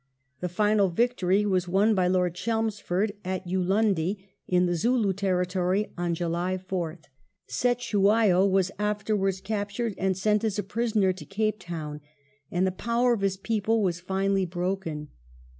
The final victory was won by Lord Chelmsford at Ulundi in the Zulu teiTitory on July 4th. Cetewayo was afterwards captured and sent as a prisoner to Cape Town and the power of his people was finally broken.